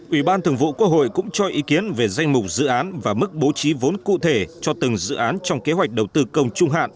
ủy ban thường vụ quốc hội cũng cho ý kiến về danh mục dự án và mức bố trí vốn cụ thể cho từng dự án trong kế hoạch đầu tư công trung hạn